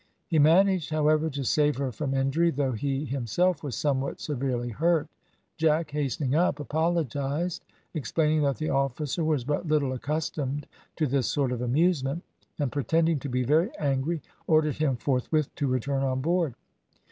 He managed, however, to save her from injury, though he himself was somewhat severely hurt. Jack, hastening up, apologised, explaining that the officer was but little accustomed to this sort of amusement, and, pretending to be very angry, ordered him forthwith to return on board.